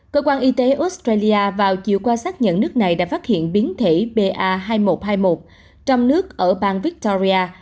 cơ quan y tế australia vào chiều qua xác nhận nước này đã phát hiện biến thể ba hai nghìn một trăm hai mươi một trong nước ở bang victoria